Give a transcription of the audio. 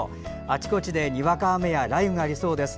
あちこちでにわか雨や雷雨がありそうです。